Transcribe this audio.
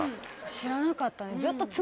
知らなかったんで。